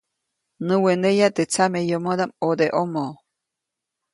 Näweneya teʼ tsameyomodaʼm ʼodeʼomo.